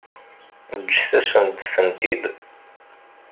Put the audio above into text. Ǧǧet-asent-tent-id.